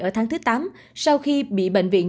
ở tháng thứ tám sau khi bị bệnh viện